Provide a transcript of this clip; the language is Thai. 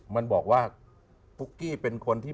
มันบอกว่าปุ๊กกี้เป็นคนที่